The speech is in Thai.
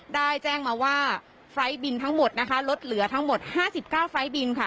ได้แจ้งมาว่าไฟล์บินทั้งหมดนะคะลดเหลือทั้งหมด๕๙ไฟล์บินค่ะ